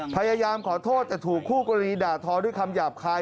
พยายามขอโทษแต่ถูกคู่กรณีด่าทอด้วยคำหยาบคาย